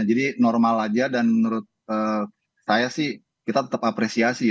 jadi normal saja dan menurut saya sih kita tetap apresiasi